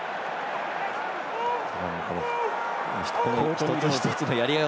一つ一つのやり合い